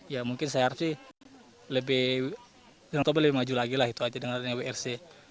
ya mungkin saya harap sih lebih yang toba lebih maju lagi lah itu aja dengan adanya wrc